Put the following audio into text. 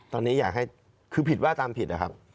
ตอนนี้อยากให้คือผิดว่าตามผิดนะครับ